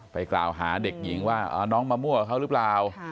ไปกล่าวหาเด็กหญิงว่าน้องมะมั่วกับเขาหรือเปล่า